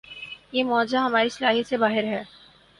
یہ معجزہ ہماری صلاحیت سے باہر ہے۔